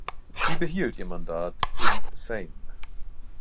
Sie behielt ihr Mandat im Sejm.